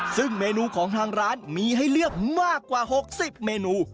ซึ่งเมนูของทางร้านมีให้เลือกมากกว่า๖๐เมนู